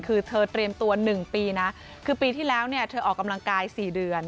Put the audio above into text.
คือเธอเตรียมตัว๑ปีนะคือปีที่แล้วเนี่ยเธอออกกำลังกาย๔เดือน